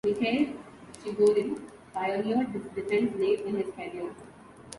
Mikhail Chigorin pioneered this defense late in his career.